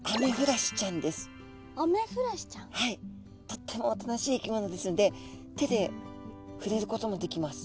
とってもおとなしい生き物ですんで手でふれることもできます。